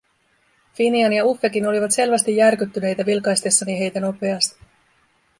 Finian ja Uffekin olivat selvästi järkyttyneitä vilkaistessani heitä nopeasti.